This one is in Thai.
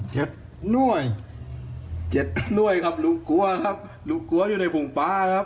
หน่วยเจ็ดหน่วยครับลูกกลัวครับลูกกลัวอยู่ในผงปลาครับ